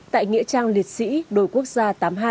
tại nghĩa trang liệt sĩ đội quốc gia tám mươi hai